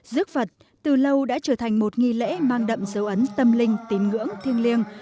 giấc phật từ lâu đã trở thành một nghi lễ mang đậm dấu ấn tâm linh tín ngưỡng thiêng liêng